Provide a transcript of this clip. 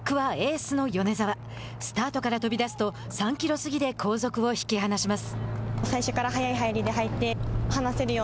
スタートから飛び出すと３キロ過ぎで後続を引き離します。